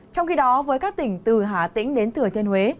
trong khi đó với các tỉnh từ hà tĩnh đến thừa thiên huế